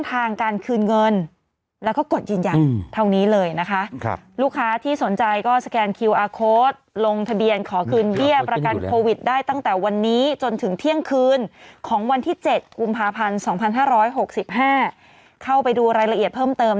เพราะสัญญาเรียบร้อยแล้วเดี๋ยวว่ากันถูกไหมพี่อ๋อ